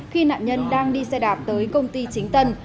khi nạn nhân đang đi xe đạp tới công ty chính tân